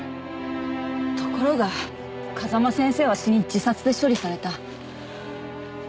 ところが風間先生は死に自殺で処理された。